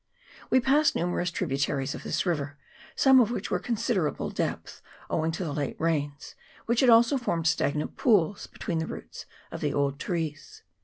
We passed numerous tributaries of this river, some of which were of considerable depth, owing to the late rains, which had also formed stagnant pools between the roots of the old trees.